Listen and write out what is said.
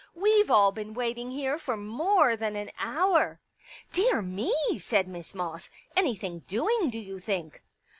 We've all been waiting here for more than an hour." " Dear me !" said Miss Moss. " Anything doing, do you think